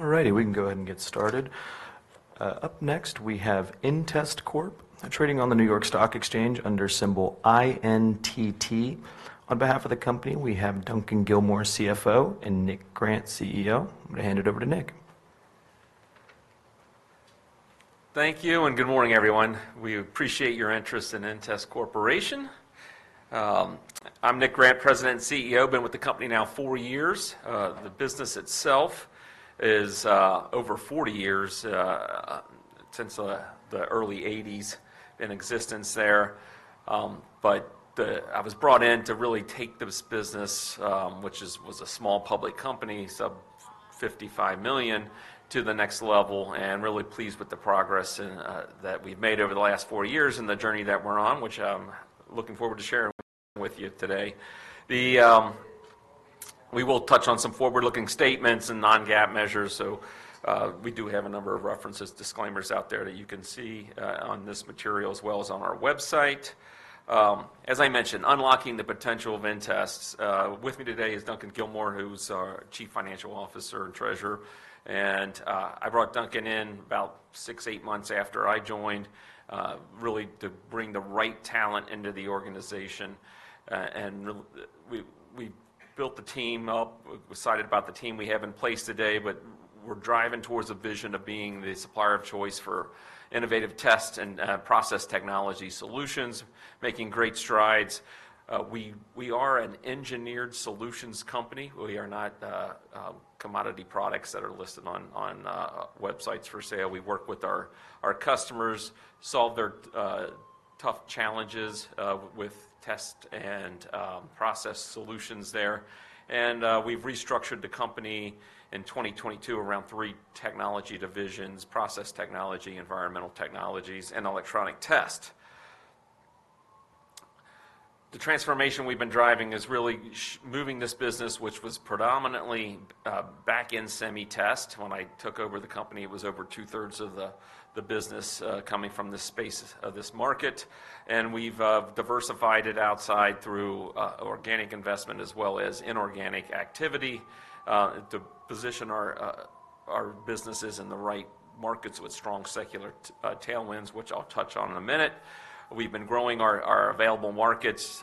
All righty, we can go ahead and get started. Up next, we have inTEST Corp, trading on the New York Stock Exchange under symbol INTT. On behalf of the company, we have Duncan Gilmour, CFO, and Nick Grant, CEO. I'm gonna hand it over to Nick. Thank you, and good morning, everyone. We appreciate your interest in inTEST Corporation. I'm Nick Grant, President and CEO, been with the company now four years. The business itself is over 40 years since the early 1980s in existence there, but I was brought in to really take this business, which was a small public company, sub $55 million, to the next level, and really pleased with the progress that we've made over the last four years and the journey that we're on, which I'm looking forward to sharing with you today. We will touch on some forward-looking statements and non-GAAP measures, so we do have a number of references, disclaimers out there that you can see on this material, as well as on our website. As I mentioned, unlocking the potential of inTEST. With me today is Duncan Gilmour, who's our Chief Financial Officer and Treasurer, and I brought Duncan in about six, eight months after I joined, really to bring the right talent into the organization. We built the team up. We're excited about the team we have in place today, but we're driving towards a vision of being the supplier of choice for innovative test and Process Technologies solutions, making great strides. We are an engineered solutions company. We are not a commodity products that are listed on websites for sale. We work with our customers, solve their tough challenges with test and process solutions there. We've restructured the company in 2022 around three technology divisions: Process Technologies, Environmental Technologies, and Electronic Test. The transformation we've been driving is really moving this business, which was predominantly back-end semi test. When I took over the company, it was over 2/3 of the business coming from the space of this market, and we've diversified it outside through organic investment as well as inorganic activity to position our businesses in the right markets with strong secular tailwinds, which I'll touch on in a minute. We've been growing our available markets,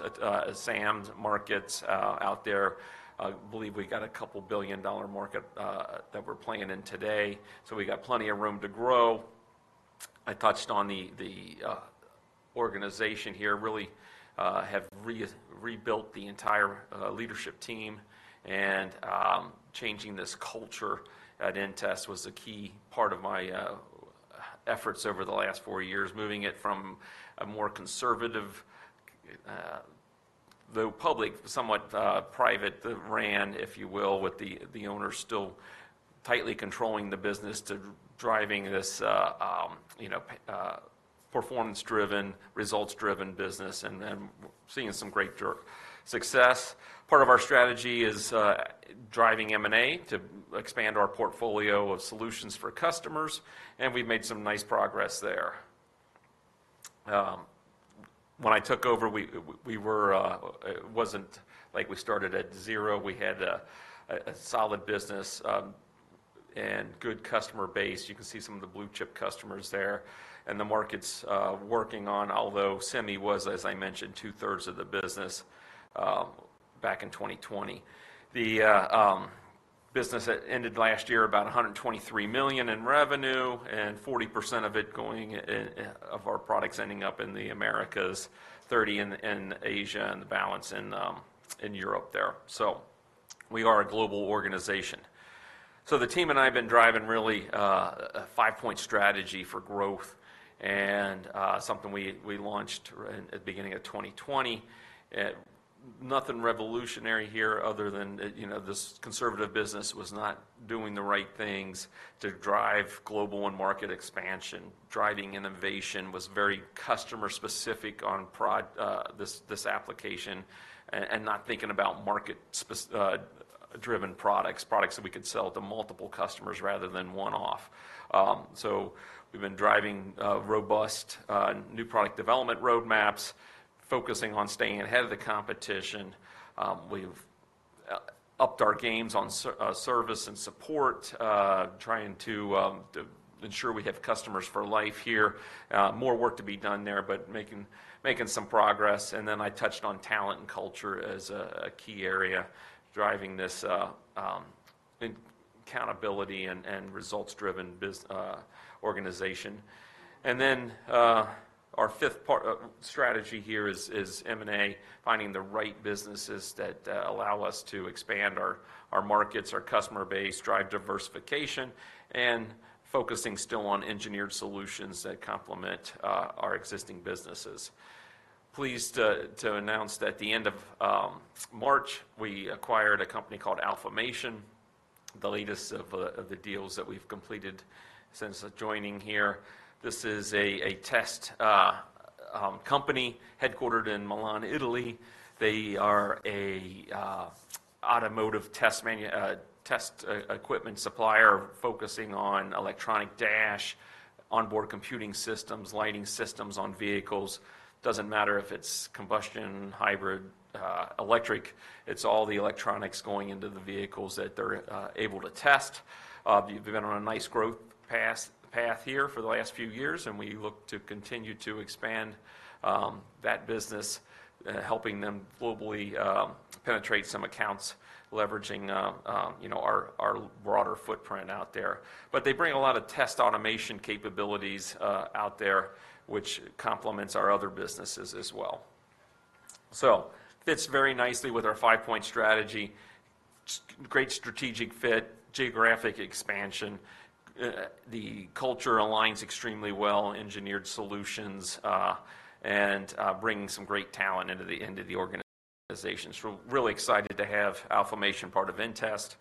SAMs markets out there. I believe we got a couple billion-dollar market that we're playing in today, so we got plenty of room to grow. I touched on the organization here. Really, have rebuilt the entire leadership team, and changing this culture at inTEST was a key part of my efforts over the last four years, moving it from a more conservative, though public, somewhat privately run, if you will, with the owner still tightly controlling the business, to driving this, you know, performance-driven, results-driven business and seeing some great success. Part of our strategy is driving M&A to expand our portfolio of solutions for customers, and we've made some nice progress there. When I took over, we were. It wasn't like we started at zero. We had a solid business and good customer base. You can see some of the blue-chip customers there and the markets working on, although semi was, as I mentioned, 2/3 of the business back in 2020. The business ended last year about $123 million in revenue, and 40% of it going of our products ending up in the Americas, 30% in Asia, and the balance in Europe there, so we are a global organization, so the team and I have been driving really a five-point strategy for growth and something we launched at the beginning of 2020. Nothing revolutionary here other than, you know, this conservative business was not doing the right things to drive global and market expansion. Driving innovation was very customer specific on product, this application, and not thinking about market specific driven products, products that we could sell to multiple customers rather than one-off. So we've been driving robust new product development roadmaps, focusing on staying ahead of the competition. We've upped our games on service and support, trying to ensure we have customers for life here. More work to be done there, but making some progress. And then I touched on talent and culture as a key area, driving this accountability and results-driven business organization. Our fifth part of strategy here is M&A, finding the right businesses that allow us to expand our markets, our customer base, drive diversification, and focusing still on engineered solutions that complement our existing businesses. Pleased to announce that at the end of March, we acquired a company called Alfamation, the latest of the deals that we've completed since joining here. This is a test company headquartered in Milan, Italy. They are a automotive test equipment supplier focusing on electronic dashboard, onboard computing systems, lighting systems on vehicles. Doesn't matter if it's combustion, hybrid, electric, it's all the electronics going into the vehicles that they're able to test. They've been on a nice growth path here for the last few years, and we look to continue to expand that business, helping them globally penetrate some accounts, leveraging you know our broader footprint out there. But they bring a lot of test automation capabilities out there, which complements our other businesses as well. So fits very nicely with our five-point strategy. Great strategic fit, geographic expansion, the culture aligns extremely well, engineered solutions, and bringing some great talent into the organizations. We're really excited to have Alfamation part of inTEST.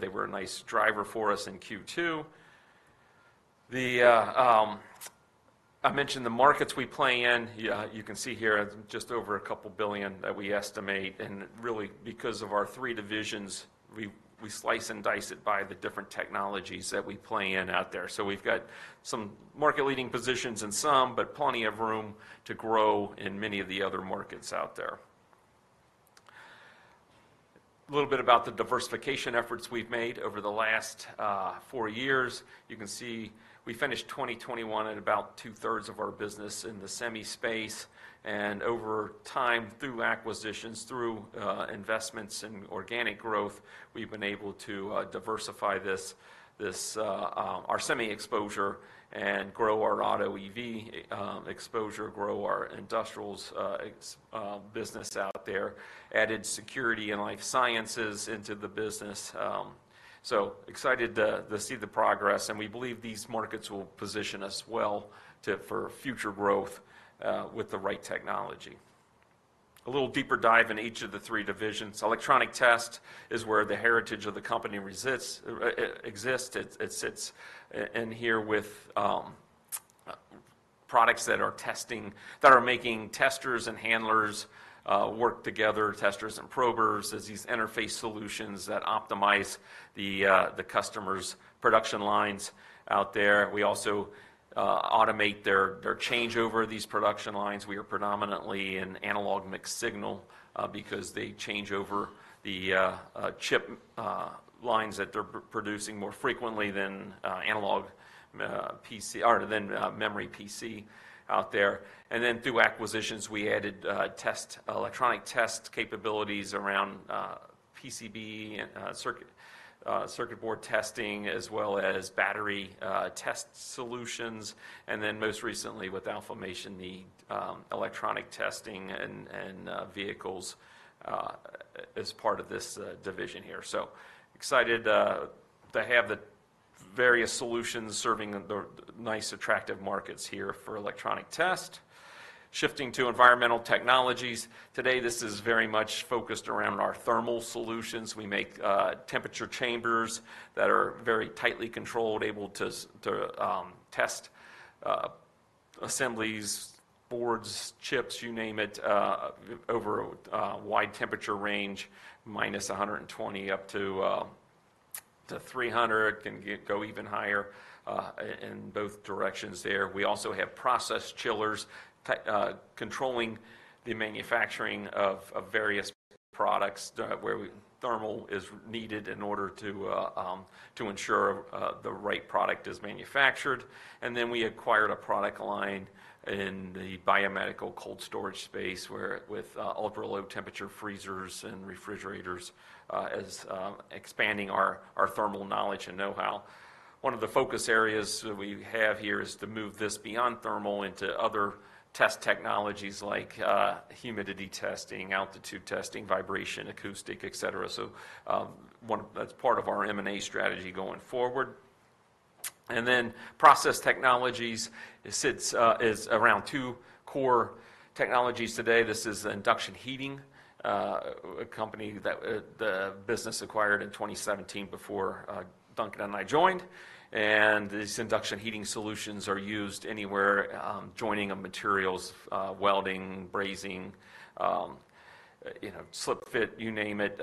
They were a nice driver for us in Q2. I mentioned the markets we play in. Yeah, you can see here, just over $2 billion that we estimate, and really, because of our three divisions, we slice and dice it by the different technologies that we play in out there. So we've got some market-leading positions in some, but plenty of room to grow in many of the other markets out there. A little bit about the diversification efforts we've made over the last four years. You can see we finished 2021 at about two-thirds of our business in the semi space, and over time, through acquisitions, through investments in organic growth, we've been able to diversify this our semi exposure and grow our auto EV exposure, grow our industrials tech business out there, added Security and Life Sciences into the business. So excited to see the progress, and we believe these markets will position us well for future growth with the right technology. A little deeper dive in each of the three divisions. Electronic Test is where the heritage of the company resides. It sits in here with products that are testing, that are making testers and handlers work together, testers and probers, as these interface solutions that optimize the customer's production lines out there. We also automate their changeover of these production lines. We are predominantly an analog mixed signal because they change over the chip lines that they're producing more frequently than logic or memory out there. And then through acquisitions, we added test Electronic Test capabilities around PCB and circuit board testing, as well as battery test solutions, and then most recently, with Alfamation, the Electronic Testing and vehicles as part of this division here. Excited to have the various solutions serving the nice, attractive markets here for Electronic Test. Shifting to Environmental Technologies. Today, this is very much focused around our thermal solutions. We make temperature chambers that are very tightly controlled, able to test assemblies, boards, chips, you name it, over a wide temperature range, -120 up to 300, can get even higher in both directions there. We also have process chillers, controlling the manufacturing of various products, where thermal is needed in order to ensure the right product is manufactured. And then we acquired a product line in the biomedical cold storage space, where with ultra-low temperature freezers and refrigerators as expanding our thermal knowledge and know-how. One of the focus areas that we have here is to move this beyond thermal into other test technologies like humidity testing, altitude testing, vibration, acoustic, et cetera. So that's part of our M&A strategy going forward. And then process technologies is around two core technologies today. This is induction heating, a company that the business acquired in 2017 before Duncan and I joined, and these induction heating solutions are used anywhere, joining of materials, welding, brazing, you know, slip fit, you name it.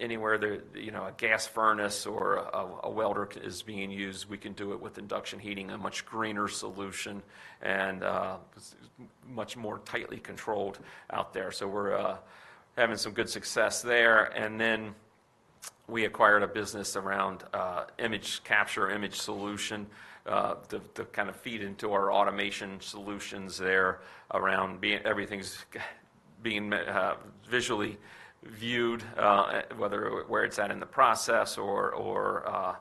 Anywhere there, you know, a gas furnace or a welder is being used, we can do it with induction heating, a much greener solution and much more tightly controlled out there. So we're having some good success there. And then we acquired a business around image capture, image solution, to kind of feed into our automation solutions there around being everything's being visually viewed, whether where it's at in the process or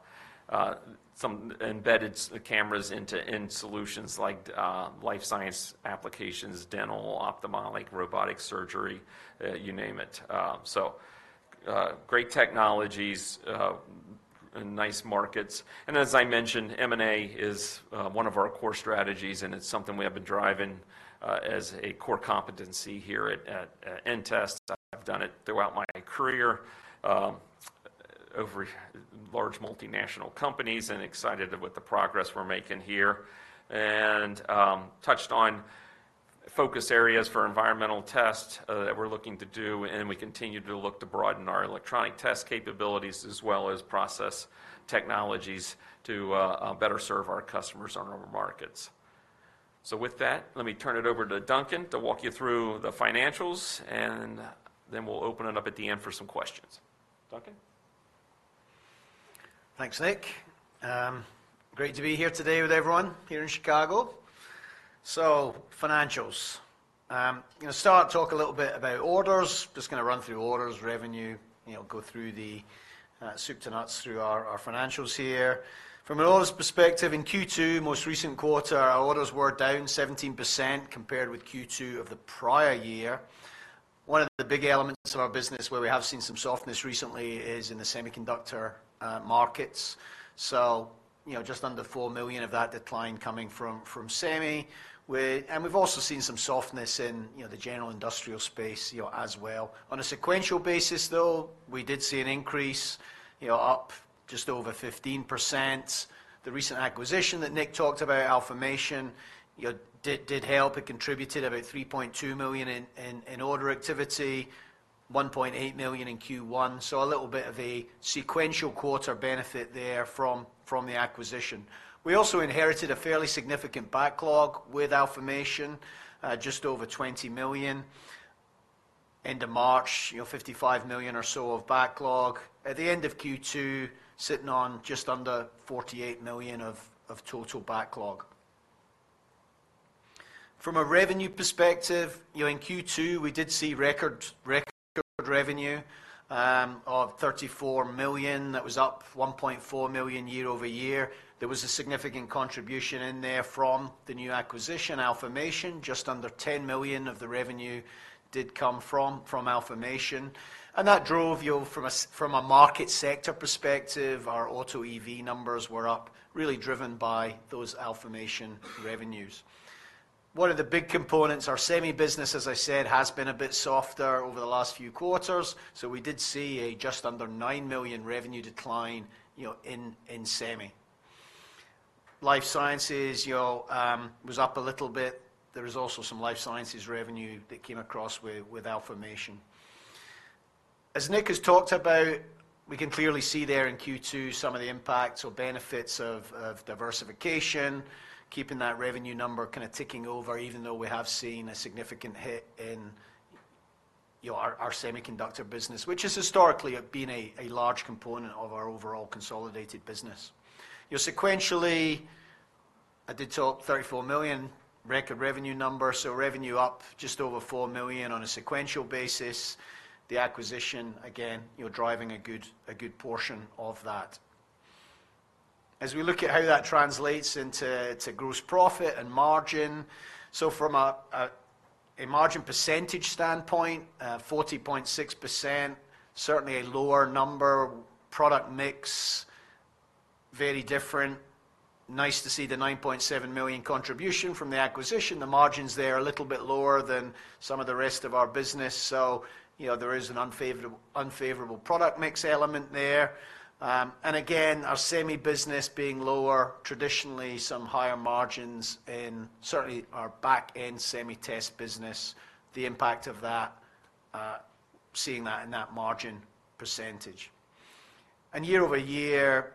some embedded cameras into solutions like life science applications, dental, ophthalmic, robotic surgery, you name it. So, great technologies and nice markets. And as I mentioned, M&A is one of our core strategies, and it's something we have been driving as a core competency here at inTEST. I've done it throughout my career over large multinational companies and excited with the progress we're making here. And touched on focus areas for environmental tests that we're looking to do, and we continue to look to broaden our Electronic Test capabilities, as well as process technologies to better serve our customers in our markets. So with that, let me turn it over to Duncan to walk you through the financials, and then we'll open it up at the end for some questions. Duncan? Thanks, Nick. Great to be here today with everyone here in Chicago. So financials. I'm gonna start talk a little bit about orders. Just gonna run through orders, revenue, you know, go through the soup to nuts through our financials here. From an orders perspective, in Q2, most recent quarter, our orders were down 17% compared with Q2 of the prior year. One of the big elements of our business where we have seen some softness recently is in the semiconductor markets. So, you know, just under $4 million of that decline coming from semi. And we've also seen some softness in, you know, the general industrial space, you know, as well. On a sequential basis, though, we did see an increase, you know, up just over 15%. The recent acquisition that Nick talked about, Alfamation, you know, did help. It contributed about $3.2 million in order activity, $1.8 million in Q1, so a little bit of a sequential quarter benefit there from the acquisition. We also inherited a fairly significant backlog with Alfamation, just over $20 million. End of March, you know, $55 million or so of backlog. At the end of Q2, sitting on just under $48 million of total backlog. From a revenue perspective, you know, in Q2, we did see record revenue of $34 million. That was up $1.4 million year over year. There was a significant contribution in there from the new acquisition, Alfamation. Just under $10 million of the revenue did come from Alfamation, and that drove you from a market sector perspective, our auto EV numbers were up, really driven by those Alfamation revenues. One of the big components, our semi business, as I said, has been a bit softer over the last few quarters, so we did see a just under $9 million revenue decline, you know, in semi. Life Sciences, you know, was up a little bit. There is also some Life Sciences revenue that came across with Alfamation. As Nick has talked about, we can clearly see there in Q2 some of the impacts or benefits of diversification, keeping that revenue number kind of ticking over, even though we have seen a significant hit in, you know, our semiconductor business, which has historically been a large component of our overall consolidated business. You know, sequentially, I did talk $34 million record revenue number, so revenue up just over $4 million on a sequential basis. The acquisition, again, you know, driving a good portion of that. As we look at how that translates into gross profit and margin, so from a margin percentage standpoint, 40.6%, certainly a lower number. Product mix, very different. Nice to see the $9.7 million contribution from the acquisition. The margins there are a little bit lower than some of the rest of our business, so, you know, there is an unfavorable product mix element there, and again, our semi business being lower, traditionally, some higher margins in certainly our back-end semi test business, the impact of that, seeing that in that margin percentage. Year over year,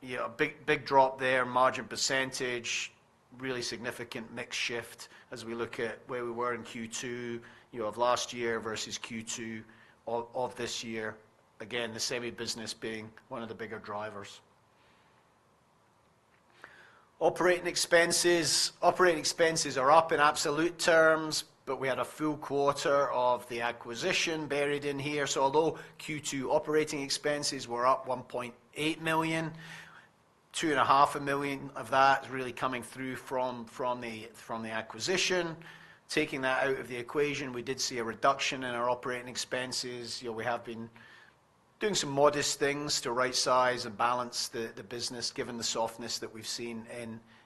you know, a big, big drop there, margin percentage, really significant mix shift as we look at where we were in Q2, you know, of last year versus Q2 of this year. Again, the semi business being one of the bigger drivers. Operating expenses. Operating expenses are up in absolute terms, but we had a full quarter of the acquisition buried in here. So although Q2 operating expenses were up $1.8 million, $2.5 million of that is really coming through from the acquisition. Taking that out of the equation, we did see a reduction in our operating expenses. You know, we have been doing some modest things to right size and balance the business, given the softness that we've seen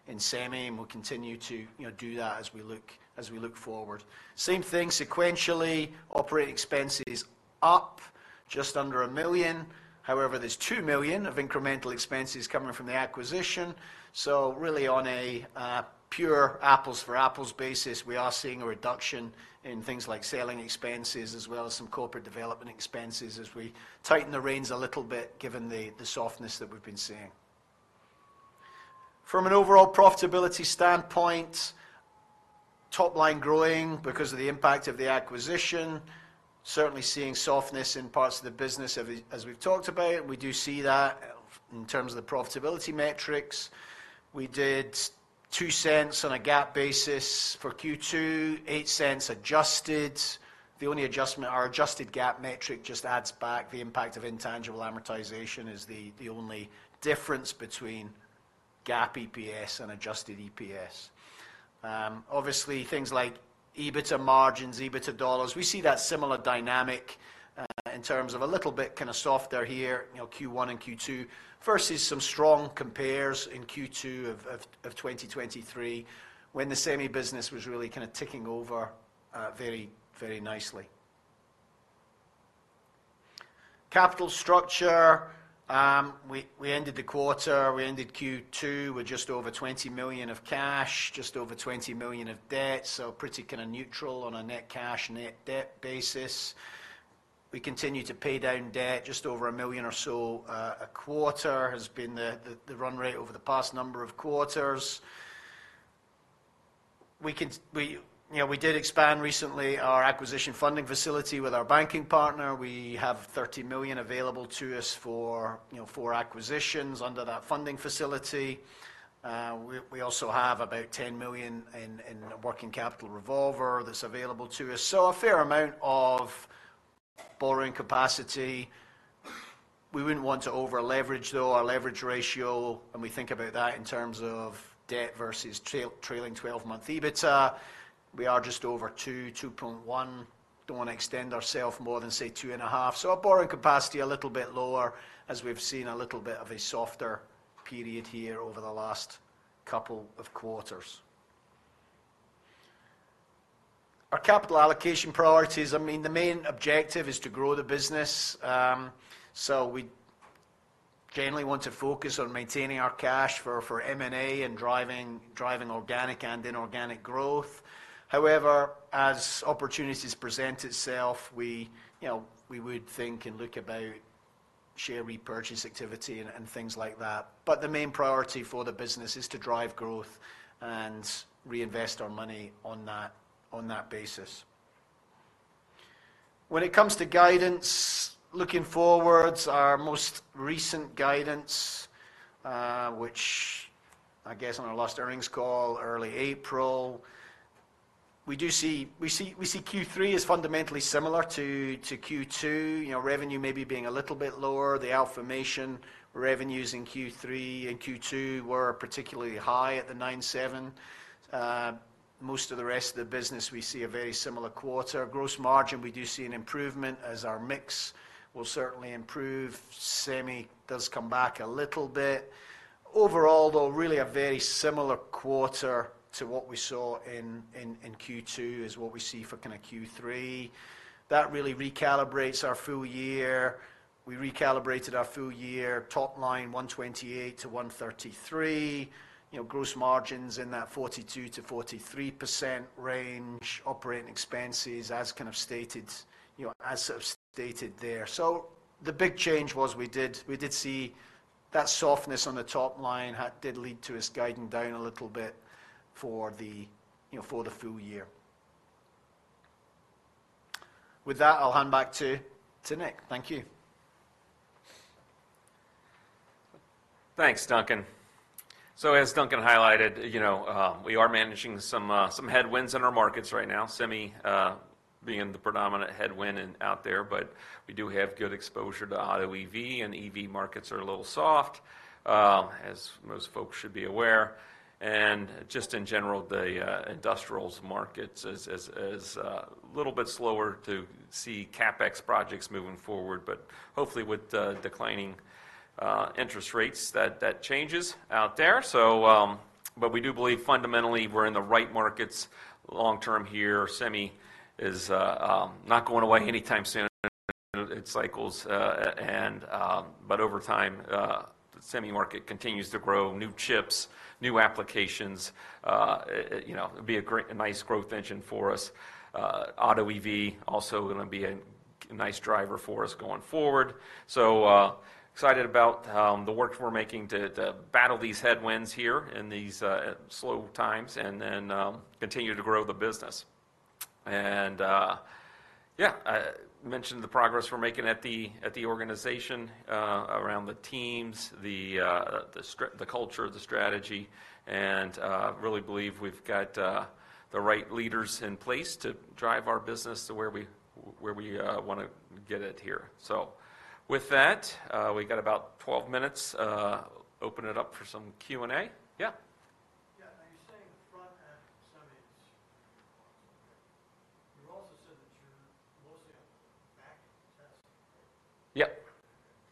in semi, and we'll continue to, you know, do that as we look forward. Same thing sequentially, operating expenses up just under $1 million. However, there's $2 million of incremental expenses coming from the acquisition. So really on a pure apples-for-apples basis, we are seeing a reduction in things like selling expenses as well as some corporate development expenses as we tighten the reins a little bit, given the softness that we've been seeing. From an overall profitability standpoint, top line growing because of the impact of the acquisition. Certainly seeing softness in parts of the business as we've talked about, and we do see that in terms of the profitability metrics. We did $0.02 on a GAAP basis for Q2, $0.08 adjusted. The only adjustment, our adjusted GAAP metric just adds back the impact of intangible amortization, is the only difference between GAAP EPS and Adjusted EPS. Obviously, things like EBITDA margins, EBITDA dollars, we see that similar dynamic in terms of a little bit kind of softer here, you know, Q1 and Q2, versus some strong compares in Q2 of 2023, when the semi business was really kind of ticking over very, very nicely. Capital structure, we ended Q2 with just over $20 million of cash, just over $20 million of debt, so pretty kind of neutral on a net cash/net debt basis. We continue to pay down debt. Just over $1 million or so a quarter has been the run rate over the past number of quarters. We, you know, did expand recently our acquisition funding facility with our banking partner. We have $13 million available to us for, you know, for acquisitions under that funding facility. We also have about $10 million in working capital revolver that's available to us, so a fair amount of borrowing capacity. We wouldn't want to over-leverage though. Our leverage ratio, when we think about that in terms of debt versus trailing 12-month EBITDA, we are just over 2, 2.1. Don't want to extend ourselves more than, say, 2.5. So our borrowing capacity a little bit lower, as we've seen a little bit of a softer period here over the last couple of quarters. Our capital allocation priorities, I mean, the main objective is to grow the business. So we generally want to focus on maintaining our cash for M&A and driving organic and inorganic growth. However, as opportunities present itself, we, you know, we would think and look about share repurchase activity and things like that. But the main priority for the business is to drive growth and reinvest our money on that basis. When it comes to guidance, looking forwards, our most recent guidance, which I guess on our last earnings call, early April, we see Q3 as fundamentally similar to Q2. You know, revenue maybe being a little bit lower. The Alfamation revenues in Q3 and Q2 were particularly high at the 97%. Most of the rest of the business, we see a very similar quarter. Gross margin, we do see an improvement, as our mix will certainly improve. semi does come back a little bit. Overall, though, really a very similar quarter to what we saw in Q2, is what we see for kind of Q3. That really recalibrates our full year. We recalibrated our full year top line, $128 million-$133 million. You know, gross margins in that 42%-43% range. Operating expenses, as kind of stated, you know, as sort of stated there. So the big change was we did see that softness on the top line, did lead to us guiding down a little bit for the, you know, for the full year. With that, I'll hand back to Nick. Thank you. Thanks, Duncan. So as Duncan highlighted, you know, we are managing some headwinds in our markets right now, semi being the predominant headwind out there, but we do have good exposure to auto EV, and EV markets are a little soft as most folks should be aware, and just in general, the industrials markets is a little bit slower to see CapEx projects moving forward, but hopefully, with the declining interest rates, that changes out there, so but we do believe fundamentally, we're in the right markets long term here. semi is not going away anytime soon. It cycles, and but over time, the semi market continues to grow: new chips, new applications. You know, it'll be a great, a nice growth engine for us. Auto EV also gonna be a nice driver for us going forward. So, excited about the work we're making to battle these headwinds here in these slow times and continue to grow the business. And, yeah, I mentioned the progress we're making at the organization around the teams, the culture, the strategy, and really believe we've got the right leaders in place to drive our business to where we wanna get it here. So with that, we got about 12 minutes, open it up for some Q&A. Yeah? Yeah. Are you saying the front-end semi is... You also said that you're mostly on the back-end test? Yep.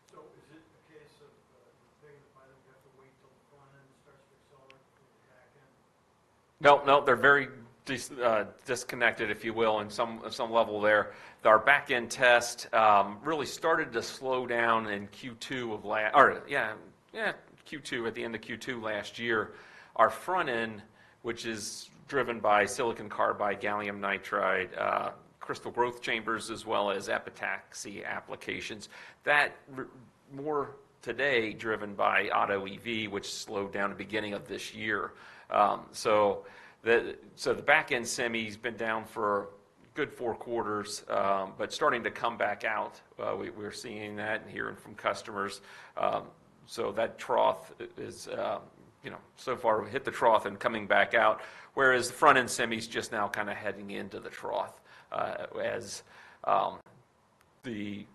So is it a case of the thing, you have to wait till the front end starts to accelerate from the back end? No, no, they're very disconnected, if you will, in some level there. Our back-end test really started to slow down in Q2 last year, at the end of Q2 last year. Our front end, which is driven by silicon carbide, gallium nitride, crystal growth chambers, as well as epitaxy applications, that more today driven by auto EV, which slowed down the beginning of this year. So the back-end semi's been down for a good four quarters, but starting to come back out. We're seeing that and hearing from customers. So that trough is, you know, so far, we hit the trough and coming back out, whereas the front-end semi is just now kind of heading into the trough, as the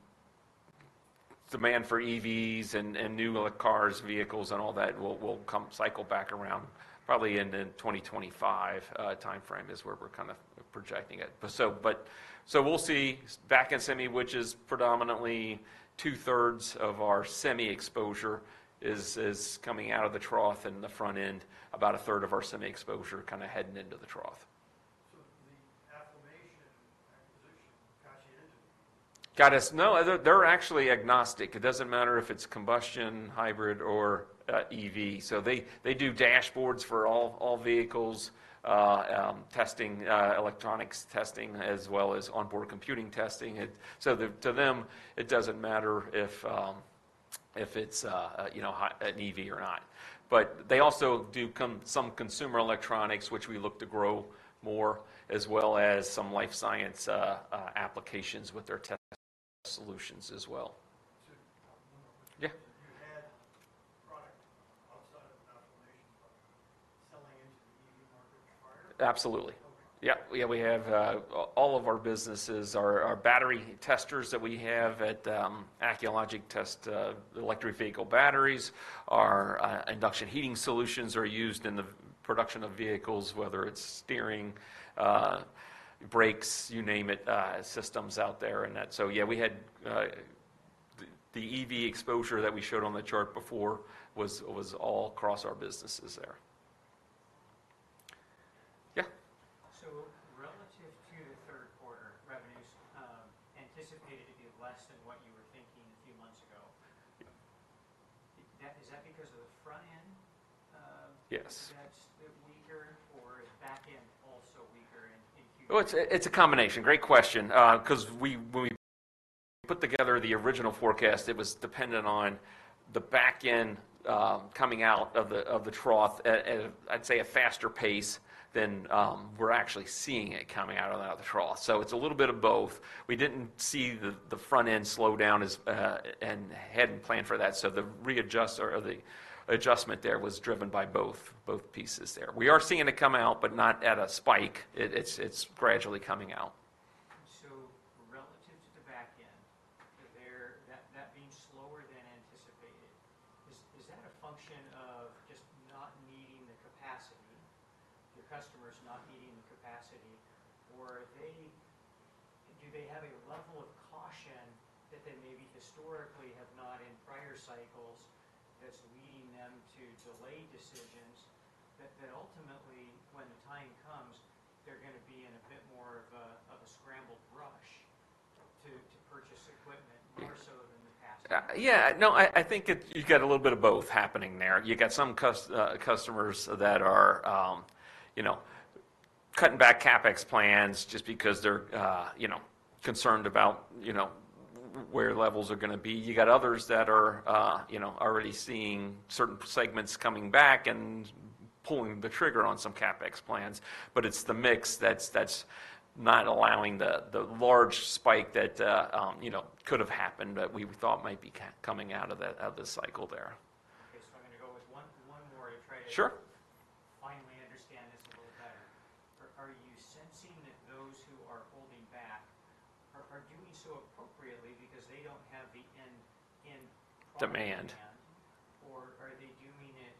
demand for EVs and new cars, vehicles, and all that will come cycle back around probably in the 2025 timeframe, is where we're kind of projecting it. But so, but. So we'll see back in semi, which is predominantly 2/3 of our semi exposure is coming out of the trough and the front end, about 1/3 of our semi exposure kind of heading into the trough. Got us. No, they're actually agnostic. It doesn't matter if it's combustion, hybrid, or EV. So they do dashboards for all vehicles, testing, electronics testing, as well as onboard computing testing. So, to them, it doesn't matter if it's, you know, an EV or not. But they also do some consumer electronics, which we look to grow more, as well as some life science applications with their test solutions as well. To follow up one more question. Yeah. You had product outside of automation, but selling into the EV market prior? Absolutely. Okay. Yeah. Yeah, we have all of our businesses, our battery testers that we have at Acculogic test electric vehicle batteries, our induction heating solutions are used in the production of vehicles, whether it's steering, brakes, you name it, systems out there and that. So yeah, we had the EV exposure that we showed on the chart before was all across our businesses there. Yeah? So relative to the third quarter, revenues, anticipated to be less than what you were thinking a few months ago- Yeah... Is that because of the front end? Yes That's weaker, or is back end also weaker in Q2? Well, it's a combination. Great question, 'cause when we put together the original forecast, it was dependent on the back end coming out of the trough at a faster pace than we're actually seeing it coming out of the trough. So it's a little bit of both. We didn't see the front end slow down as and hadn't planned for that, so the readjust or the adjustment there was driven by both pieces there. We are seeing it come out, but not at a spike. It's gradually coming out. So, relative to the back end there, that being slower than anticipated, is that a function of just not needing the capacity, your customers not needing the capacity? Or do they have a level of caution that they maybe historically have not in prior cycles, that's leading them to delay decisions, that ultimately, when the time comes, they're gonna be in a bit more of a scrambled rush to purchase equipment more so than the past? Yeah. No, I think you got a little bit of both happening there. You got some customers that are, you know, cutting back CapEx plans just because they're, you know, concerned about, you know, where levels are gonna be. You got others that are, you know, already seeing certain segments coming back and pulling the trigger on some CapEx plans. But it's the mix that's not allowing the large spike that, you know, could have happened, but we thought might be coming out of the cycle there. Okay, so I'm gonna go with one more to try to- Sure ... finally understand this a little better. Are you sensing that those who are holding back are doing so appropriately because they don't have the end in- Demand Demand? Or are they doing it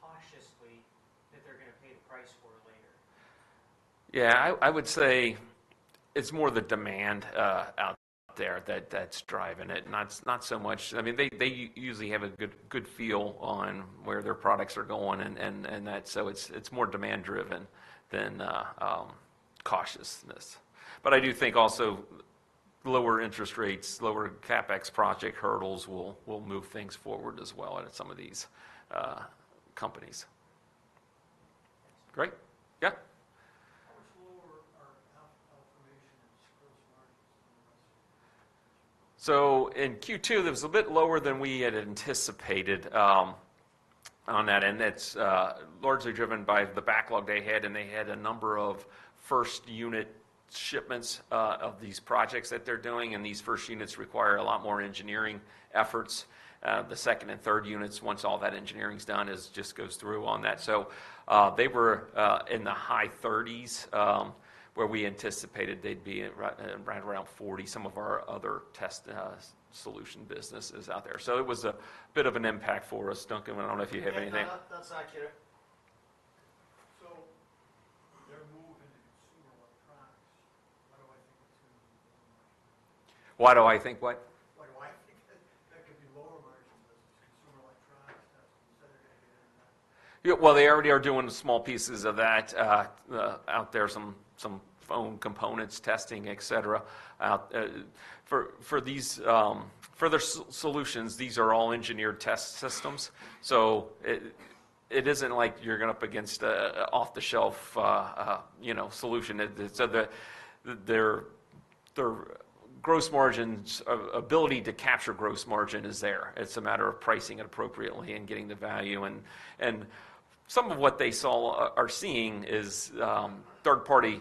cautiously, that they're gonna pay the price for later? Yeah, I would say it's more the demand out there that's driving it. Not so much. I mean, they usually have a good feel on where their products are going and that, so it's more demand driven than cautiousness. But I do think also lower interest rates, lower CapEx project hurdles will move things forward as well in some of these companies. Thanks. Great. Yeah? How much lower are our automation and gross margins than the rest of it? So in Q2, it was a bit lower than we had anticipated on that, and it's largely driven by the backlog they had, and they had a number of first unit shipments of these projects that they're doing, and these first units require a lot more engineering efforts. The second and third units, once all that engineering's done, is just goes through on that. So they were in the high thirties, where we anticipated they'd be at right around forty, some of our other test solution businesses out there. So it was a bit of an impact for us. Duncan, I don't know if you have anything. Yeah, that, that's accurate. So they're moving to consumer electronics. What do I think is gonna be the margin? Why do I think what? Why do I think that could be lower margins with consumer electronics testing, so they're gonna get into that. Yeah, well, they already are doing small pieces of that out there, some phone components testing, et cetera. For their solutions, these are all engineered test systems, so it isn't like you're going up against a off-the-shelf, you know, solution. So their gross margins ability to capture gross margin is there. It's a matter of pricing it appropriately and getting the value, and some of what they are seeing is third-party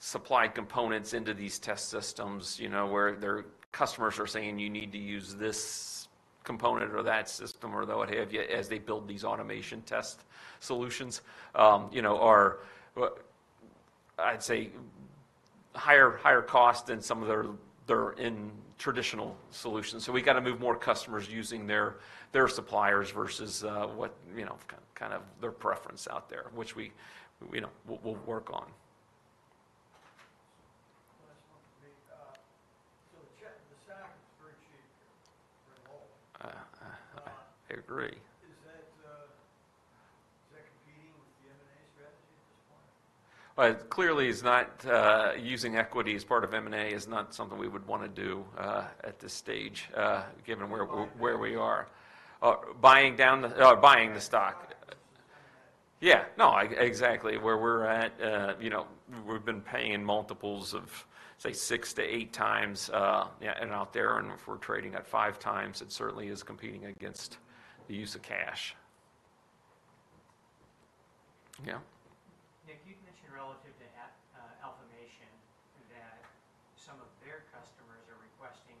supply components into these test systems, you know, where their customers are saying, "You need to use this component or that system," or what have you, as they build these automation test solutions. You know, I'd say higher cost than some of their traditional solutions. So we got to move more customers using their suppliers versus what you know kind of their preference out there, which we you know we'll work on. Last one for me. So the stock is very cheap, very low. I agree. Is that competing with the M&A strategy at this point? It clearly is not. Using equity as part of M&A is not something we would wanna do at this stage, given where we are. Buying down? Buying the stock. Buying the stock. Yeah. No, exactly, where we're at, you know, we've been paying multiples of, say, 6x-8x, yeah, and out there, and if we're trading at 5x, it certainly is competing against the use of cash. Yeah? Nick, you mentioned relative to Alfamation, that some of their customers are requesting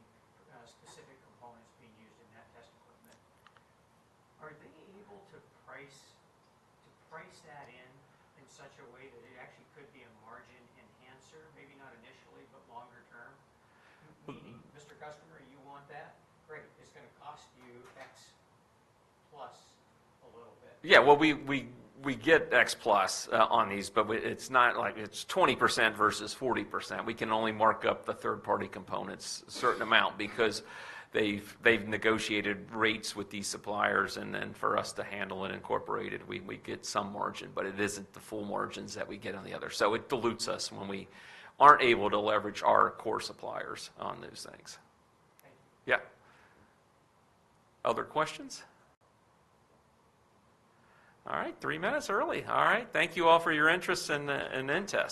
specific components being used in that test equipment. Are they able to price that in such a way that it actually could be a margin enhancer? Maybe not initially, but longer term. Mm-hmm. Mr. Customer, you want that? Great, it's gonna cost you X plus a little bit. Yeah, well, we get X plus on these, but it's not like... It's 20% versus 40%. We can only mark up the third-party components a certain amount because they've negotiated rates with these suppliers, and then for us to handle it incorporated, we get some margin, but it isn't the full margins that we get on the other. So it dilutes us when we aren't able to leverage our core suppliers on those things. Thank you. Yeah. Other questions? All right, three minutes early. All right, thank you all for your interest in inTEST.